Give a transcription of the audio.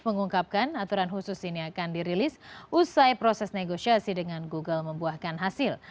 mengungkapkan aturan khusus ini akan dirilis usai proses negosiasi dengan google membuahkan hasil